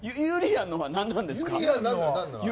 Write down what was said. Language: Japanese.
ゆりやんのは何なんですか。